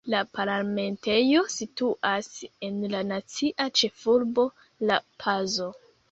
La parlamentejo situas en la nacia ĉefurbo La-Pazo.